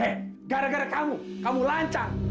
eh gara gara kamu kamu lancar